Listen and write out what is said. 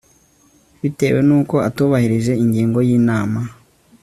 bitewe n uko atubahirije ingingo yinama